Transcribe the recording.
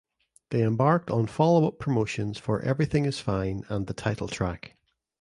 They embarked on followup promotions for "Everything Is Fine" and the title track.